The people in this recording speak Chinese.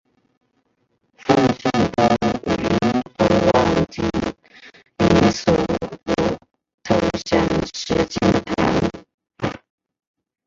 奉圣都虞候王景以所部投降石敬瑭。